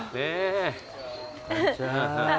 こんにちは。